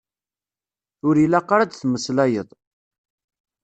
Ur ilaq ara ad temmeslayeḍ.